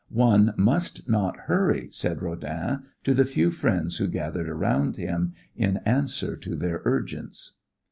"One must not hurry," said Rodin to the few friends who gathered about him, in answer to their urgence.